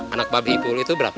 anak babi ipul itu berapa